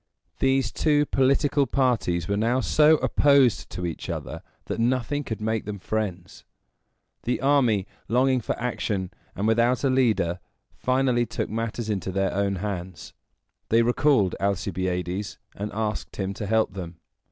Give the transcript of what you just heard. These two political parties were now so opposed to each other, that nothing could make them friends. The army, longing for action, and without a leader, finally took matters into their own hands. They recalled Alcibiades, and asked him to help them.